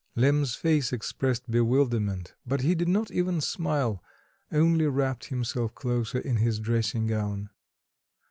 Lemm's face expressed bewilderment, but he did not even smile, only wrapped himself closer in his dressing gown.